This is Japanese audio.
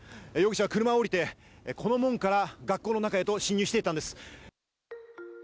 容疑者は車を降りて、この門から学校の中へと侵入していったんです。